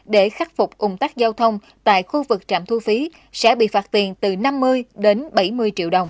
để khắc phục ủng tắc giao thông tại khu vực trạm thu phí sẽ bị phạt tiền từ năm mươi đến bảy mươi triệu đồng